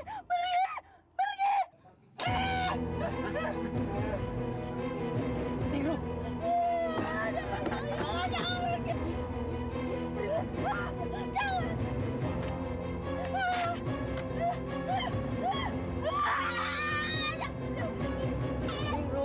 kamu masih cantik seperti dulu